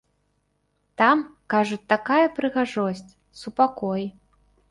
Там, кажуць, такая прыгажосць, супакой.